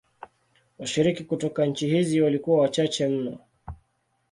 Washiriki kutoka nchi hizi walikuwa wachache mno.